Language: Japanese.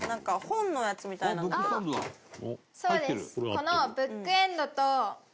このブックエンドと。